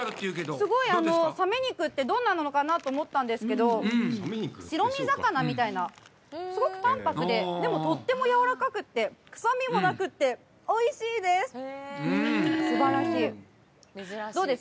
すごいサメ肉って、どんなのかなって思ったんですけど、白身魚みたいな、すごく淡泊で、でも、とってもやわらかくて、臭みもなくておいしいです！